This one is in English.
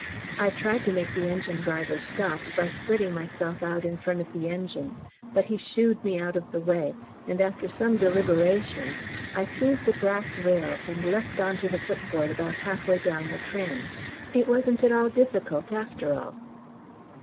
I tried to make the engine driver stop by spreading myself out in front of the engine, but he "shooed" me out of the way, and after some deliberation I seized a brass rail and leapt on to the footboard about half way down the train; it wasn't at all difficult after all.